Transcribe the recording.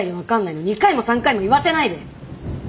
２回も３回も言わせないで。